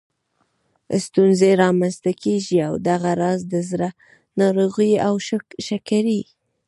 ستونزې رامنځته کېږي او دغه راز د زړه ناروغیو او شکرې